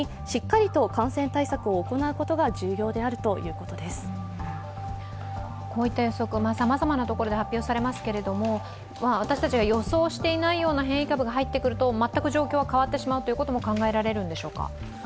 こういった予測、さまざまなところで発表されますけれども、私たちが予想していないような変異株が入ってくると全く状況が変わってしまうことも考えられるのでしょうか。